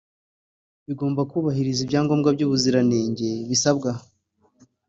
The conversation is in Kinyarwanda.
bigomba kubahiriza ibyangombwa by’ubuziranenge bisabwa